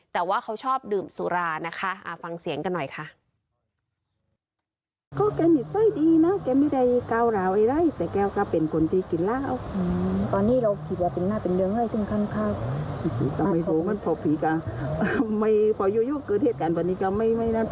แต่ว่าเขาชอบดื่มสุรานะคะฟังเสียงกันหน่อยค่ะ